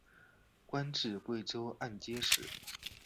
官至贵州按察使。